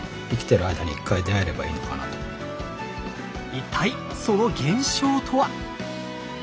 一体その現象とは？